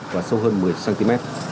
và sâu hơn một mươi cm